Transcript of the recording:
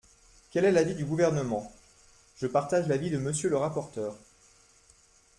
Quel est l’avis du Gouvernement ? Je partage l’avis de Monsieur le rapporteur.